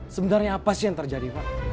sebenarnya apa sih yang terjadi pak